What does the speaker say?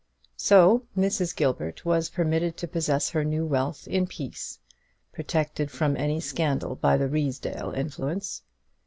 So Mrs. Gilbert was permitted to possess her new wealth in peace, protected from any scandal by the Ruysdale influence.